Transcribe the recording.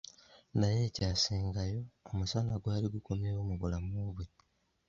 Naye ekyasingayo, omusana gwali gukomyewo mu bulamu bwe.